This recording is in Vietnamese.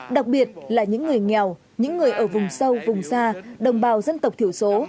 đặc biệt là những người nghèo những người ở vùng sâu vùng xa đồng bào dân tộc thiểu số